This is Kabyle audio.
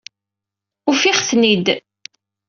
Ufiɣ-ten-id.